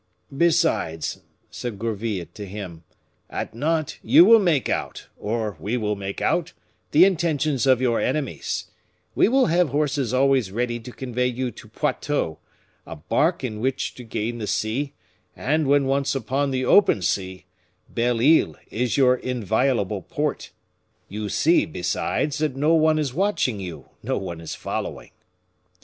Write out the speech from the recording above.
"Besides," said Gourville to him, "at Nantes, you will make out, or we will make out, the intentions of your enemies; we will have horses always ready to convey you to Poitou, a bark in which to gain the sea, and when once upon the open sea, Belle Isle is your inviolable port. You see, besides, that no one is watching you, no one is following."